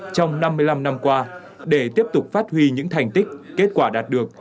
trong năm mươi năm năm qua để tiếp tục phát huy những thành tích kết quả đạt được